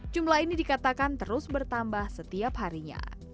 jumlah ini dikatakan terus bertambah setiap harinya